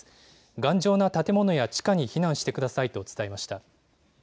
頑丈な建物や地下に避難してくださいと伝えました。